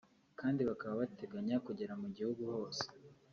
kandi bakaba bateganya kugera mu gihugu hose